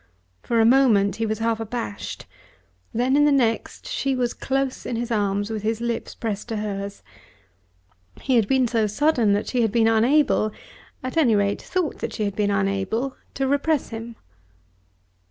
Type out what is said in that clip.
For a moment he was half abashed. Then in the next she was close in his arms with his lips pressed to hers. He had been so sudden that she had been unable, at any rate thought that she had been unable, to repress him.